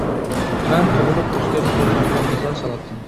مەن تۇغۇلۇپ ئۆسكەن كوچامغا نەزەر سالاتتىم.